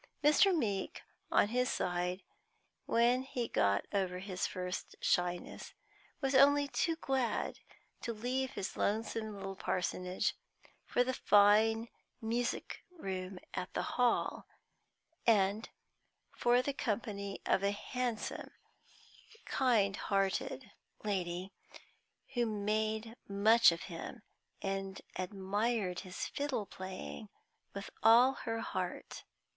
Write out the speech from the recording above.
Mr. Meeke, on his side, when he got over his first shyness, was only too glad to leave his lonesome little parsonage for the fine music room at the Hall, and for the company of a handsome, kind hearted lady, who made much of him, and admired his fiddle playing with all her heart.